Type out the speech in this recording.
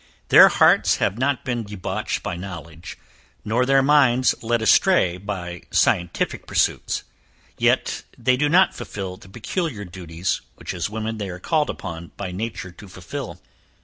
Their hearts have not been debauched by knowledge, nor their minds led astray by scientific pursuits; yet, they do not fulfil the peculiar duties, which as women they are called upon by nature to fulfil.